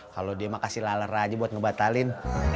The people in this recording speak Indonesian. kalau dia mah kasih lalera aja buat ngebatalin